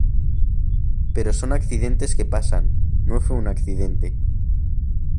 pero son accidentes que pasan. no fue un accidente .